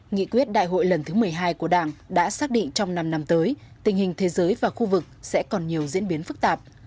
nghị quyết đại hội lần thứ một mươi hai của đảng đã xác định trong năm năm tới tình hình thế giới và khu vực sẽ còn nhiều diễn biến phức tạp